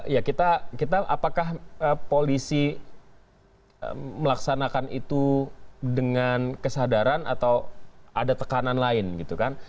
ya kita apakah polisi melaksanakan itu dengan kesadaran atau ada tekanan lain gitu kan